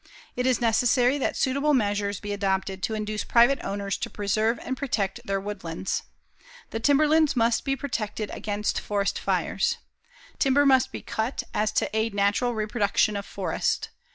It is necessary that suitable measures be adopted to induce private owners to preserve and protect their woodlands. The timberlands must be protected against forest fires. Timber must be cut so as to aid natural reproduction of forest.